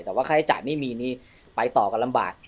แต่ว่าใครจะไม่มีนี่ไปต่อก็ลำบาก